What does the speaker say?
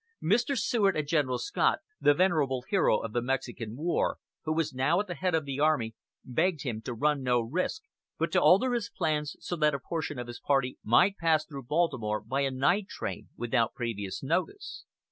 Mr. Seward and General Scott, the venerable hero of the Mexican War, who was now at the head of the army, begged him to run no risk, but to alter his plans so that a portion of his party might pass through Baltimore by a night train without previous notice.